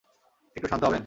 একটু শান্ত হবেন?